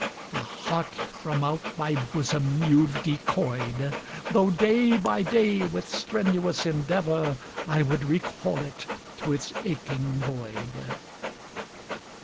The heart from out my bosom you've decoyed, Though day by day with strenuous endeavour I would recall it to its aching void.